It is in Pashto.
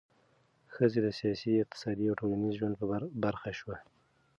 ښځې د سیاسي، اقتصادي او ټولنیز ژوند برخه شوه.